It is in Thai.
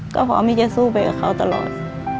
ก็พร้อมที่จะสู้ไปกับเขาตลอด